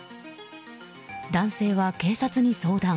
男性は、警察に相談。